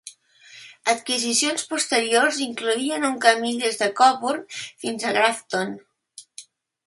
Adquisicions posteriors incloïen un camí des de Cobourg fins a Grafton.